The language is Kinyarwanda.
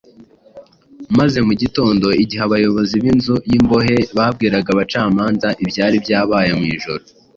maze mu gitondo igihe abayobozi b’inzu y’imbohe babwiraga abacamanza ibyari byabaye mu ijoro,